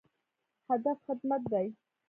هدف خدمت دی